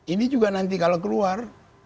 ini juga nanti kalau keluar